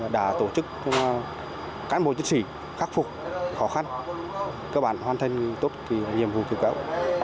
đã tổ chức các bộ chức sĩ khắc phục khó khăn cơ bản hoàn thành tốt nhiệm vụ cứu kéo